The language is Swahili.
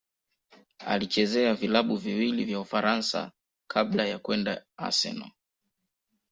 Alichezea vilabu viwili vya Ufaransa kabla ya kwenda Arsenal.